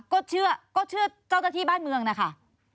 ก็เชื่อก็เชื่อเจ้าหน้าที่บ้านเมืองนะคะ